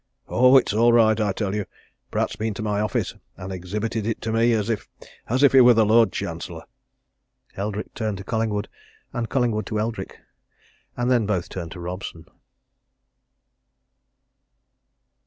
Oh, it's all right, I tell you! Pratt's been to my office, and exhibited it to me as if as if he were the Lord Chancellor!" Eldrick turned to Collingwood, and Collingwood to Eldrick and then both turned to Robson.